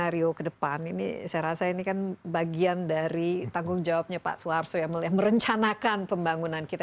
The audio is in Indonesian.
kalau kita lihat ke depan ini saya rasa ini kan bagian dari tanggung jawabnya pak suharso yang merencanakan pembangunan kita